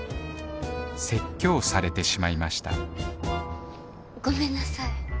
説教されてしまいましたごめんなさい。